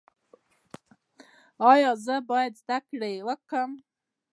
ایا زه باید زده کړم؟